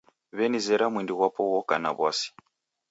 W'enizera mwindi ghwapo ghoka na w'asi.